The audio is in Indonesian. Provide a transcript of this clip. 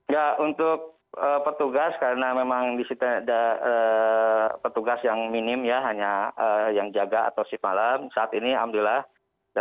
ya untuk petugas karena memang disitu ada petugas yang minim ya hanya yang jaga atau si malam saat ini alhamdulillah dalam kondisi aman